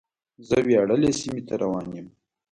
زه وياړلې سیمې ته روان یم.